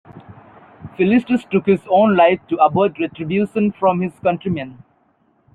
Philistus took his own life to avoid retribution from his countrymen.